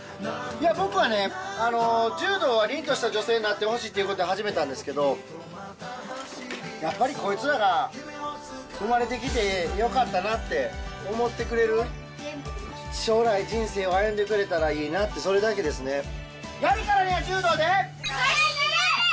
僕はね、柔道は、りんとした女性になってほしいということで始めたんですけど、やっぱりこいつらが生まれてきてよかったなって思ってくれる、将来、人生を歩んでくれたらいいなって、それだけですね。